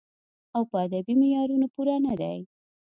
او پۀ ادبې معيارونو پوره نۀ دی